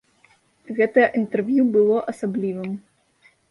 Гэтае інтэрв'ю было асаблівым.